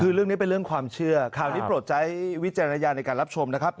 คือเรื่องนี้เป็นเรื่องความเชื่อคราวนี้โปรดใช้วิจารณญาณในการรับชมนะครับ